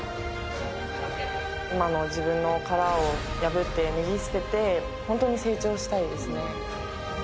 今の自分の殻を破って脱ぎ捨てて本当に成長したいですね